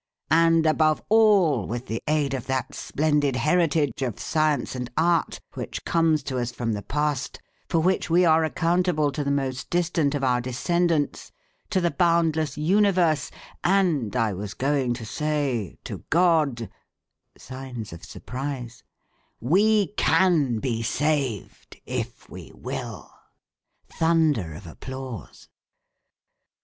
'_) and above all, with the aid of that splendid heritage of science and art which comes to us from the past, for which we are accountable to the most distant of our descendants, to the boundless universe, and I was going to say, to God (signs of surprise), we can be saved if we will." (Thunder of applause.)